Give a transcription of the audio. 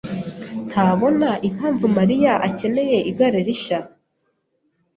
ntabona impamvu Mariya akeneye igare rishya.